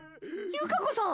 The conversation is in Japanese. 由花子さん！